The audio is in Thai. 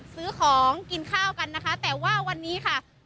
ซื้อของกินข้าวกันนะคะแต่ว่าวันนี้ค่ะ